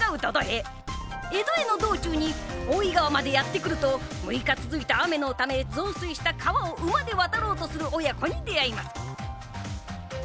江戸への道中に大井川までやって来ると６日続いた雨のため増水した川を馬で渡ろうとする親子に出会います。